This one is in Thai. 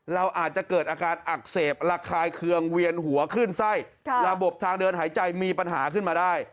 เราอาจจะเกิดอาการอักเสบระคายเคืองเวียนหัวขึ้นไส้ระบบทางเดินหายใจมีปัญหาขึ้นมาได้